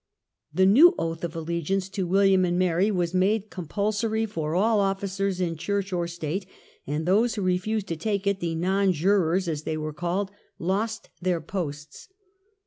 The new oath of allegiance to William and Mary was made compulsory for all officers in church or state, and those who refused to take it, the "Non jurors", as they are called, lost their posts.